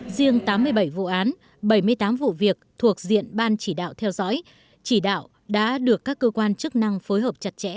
riêng tám mươi bảy vụ án bảy mươi tám vụ việc thuộc diện ban chỉ đạo theo dõi chỉ đạo đã được các cơ quan chức năng phối hợp chặt chẽ